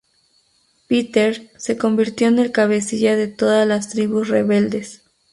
Peter se convierte en el cabecilla de todas las tribus rebeldes.